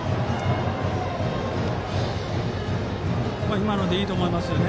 今のでいいと思いますよ。